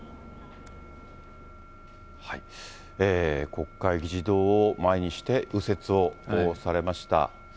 国会議事堂を前にして右折をされました。